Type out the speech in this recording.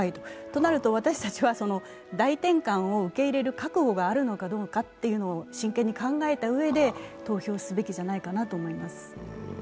となると、私たちは大転換を受け入れる覚悟があるのかどうかを真剣に考えたうえで投票すべきじゃないかと思います。